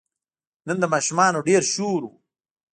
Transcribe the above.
نن د ماشومانو ډېر شور و.